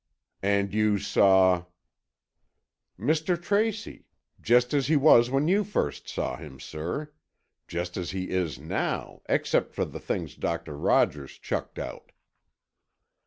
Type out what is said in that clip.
"And you saw——?" "Mr. Tracy, just as he was when you first saw him, sir. Just as he is now, except for the things Doctor Rogers chucked out."